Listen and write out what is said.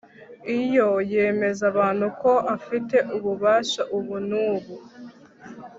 iyo yemeza abantu ko afite ububasha ubu n'ubu